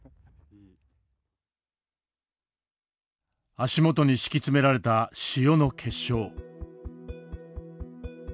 足元に敷き詰められた塩の結晶。